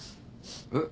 えっ？